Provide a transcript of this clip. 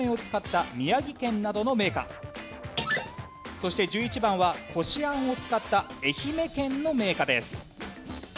そして１１番はこしあんを使った愛媛県の銘菓です。